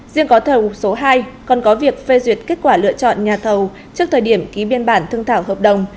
riêng gói thầu số hai còn có việc phê duyệt kết quả lựa chọn nhà thầu trước thời điểm ký biên bản thương thảo hợp đồng